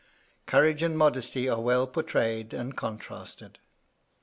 Courage and modesty are well portrayed, and contrasted.